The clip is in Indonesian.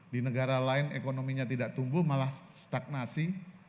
di negara lain ekonominya tidak tumbuh malah stagnasi